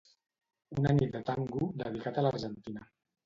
Una nit de Tango, dedicat a l'Argentina.